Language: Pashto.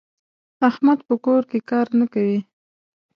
احمد په کور کې کار نه کوي.